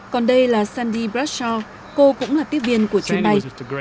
còn đây là sandy bradshaw cô cũng là tiếp viên của chuyến bay